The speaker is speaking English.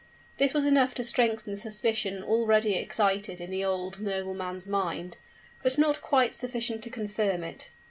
This was enough to strengthen the suspicion already excited in the old nobleman's mind; but not quite sufficient to confirm it.